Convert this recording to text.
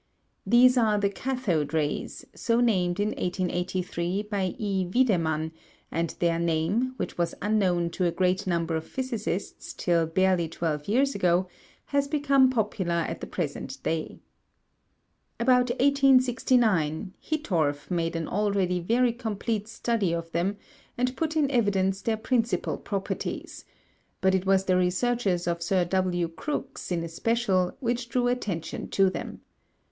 These are the cathode rays, so named in 1883 by E. Wiedemann, and their name, which was unknown to a great number of physicists till barely twelve years ago, has become popular at the present day. About 1869, Hittorf made an already very complete study of them and put in evidence their principal properties; but it was the researches of Sir W. Crookes in especial which drew attention to them.